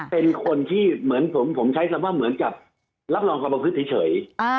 เป็นคนที่เหมือนผมใช้คำว่าเหมือนกับรับรองความประพฤติเฉย